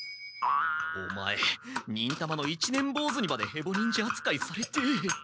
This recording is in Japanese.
オマエ忍たまの一年ぼうずにまでヘボ忍者あつかいされて。